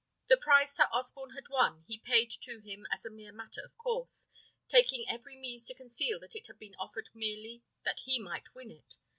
The prize Sir Osborne had won he paid to him as a mere matter of course, taking every means to conceal that it had been offered merely that he might win it.